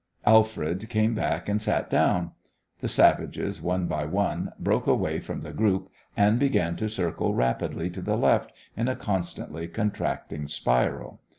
Alfred came back and sat down. The savages, one by one, broke away from the group and began to circle rapidly to the left in a constantly contracting spiral.